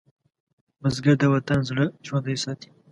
بزګر د وطن زړه ژوندی ساتي